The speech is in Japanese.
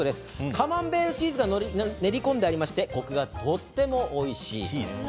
カマンベールチーズが練り込んでありましてコクがあってとてもおいしいんです。